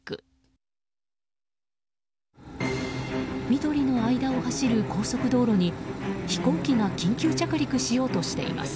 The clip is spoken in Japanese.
緑の間を走る高速道路に飛行機が緊急着陸しようとしています。